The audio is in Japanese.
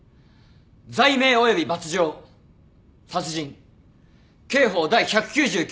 罪名及び罰条殺人刑法第１９９条。